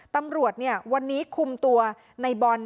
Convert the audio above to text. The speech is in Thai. ตำรวจวันนี้คุมตัวในบอล